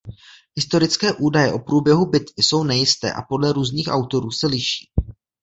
Historické údaje o průběhu bitvy jsou nejisté a podle různých autorů se liší.